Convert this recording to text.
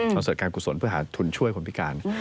เสิร์ตการกุศลเพื่อหาทุนช่วยคนพิการ